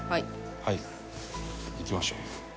はいいきましょう。